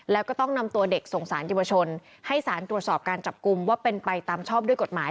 แล้วก็ต้องนำตัวเด็กส่งสารเยาวชนให้สารตรวจสอบการจับกลุ่มว่าเป็นไปตามชอบด้วยกฎหมาย